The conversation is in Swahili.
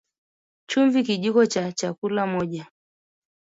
Chumvi Kijiko cha chakula moja